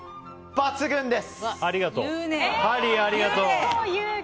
抜群です！